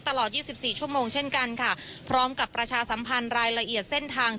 ตลอด๒๔ชั่วโมงเช่นกันค่ะพร้อมกับประชาสัมพันธ์รายละเอียดเส้นทาง